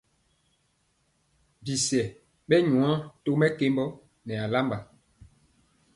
Bisɛ ɓɛ nyɔ to mɛkembɔ nɛ alamba.